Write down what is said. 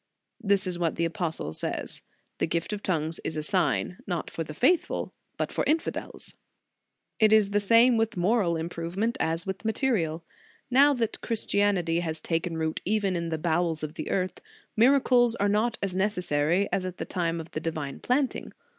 This is what the apostle says: The gift of tongues is a sign, not for the faithful, but for infidels. "* It is the same with moral improvement as with material. Now that Christianity has taken root even in the bowels of the earth, miracles are not as necessary as at the time of the divine planting.